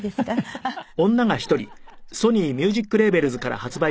ハハハハ。